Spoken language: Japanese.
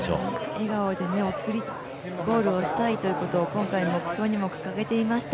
笑顔でゴールをしたいということを今回、目標に掲げていました。